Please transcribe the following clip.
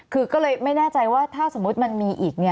คือก็เลยไม่แน่ใจว่าถ้าสมมุติมันมีอีก